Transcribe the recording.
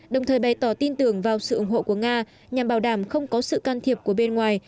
đồng thời bày tỏ tin tưởng vào sự ủng hộ của nga nhằm bảo đảm không có sự can thiệp của bên ngoài